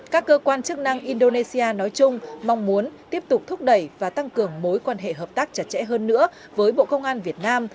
các cơ quan chức năng indonesia nói chung mong muốn tiếp tục thúc đẩy và tăng cường mối quan hệ hợp tác chặt chẽ hơn nữa với bộ công an việt nam